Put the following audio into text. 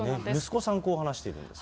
息子さん、こう話しているんです。